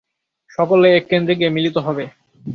সকলেই এক কেন্দ্রে গিয়ে মিলিত হবে।